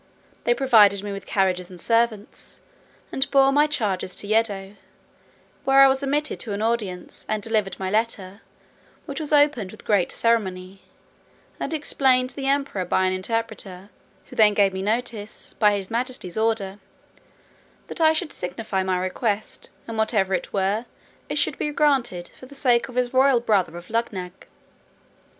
They provided me with carriages and servants, and bore my charges to Yedo; where I was admitted to an audience, and delivered my letter, which was opened with great ceremony, and explained to the Emperor by an interpreter, who then gave me notice, by his majesty's order, "that I should signify my request, and, whatever it were, it should be granted, for the sake of his royal brother of Luggnagg."